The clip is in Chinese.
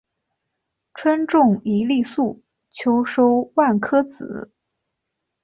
春种一粒粟，秋收万颗子。